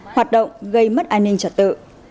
hoạt động gây mất an ninh trật tự